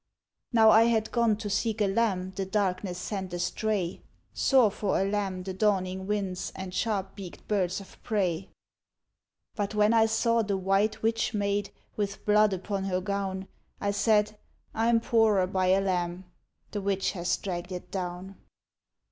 Now I had gone to seek a lamb The darkness sent astray : Sore for a lamb the dawning winds And sharp beaked birds of prey. But when I saw the white witch maid With blood upon her gown, I said, ' I 'm poorer by a lamb ; The witch has dragged it down.'